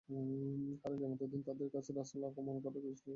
কারণ, কিয়ামতের দিন তারা তাদের কাছে রাসূল আগমন করার বিষয়টিও অস্বীকার করবে।